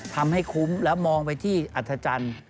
ทำให้คุ้มแล้วมองไปที่อัธจันทร์